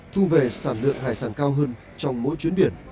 thu về sản lượng hải sản cao hơn trong mỗi chuyến biển